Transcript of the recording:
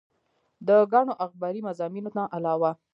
د ګڼو اخباري مضامينو نه علاوه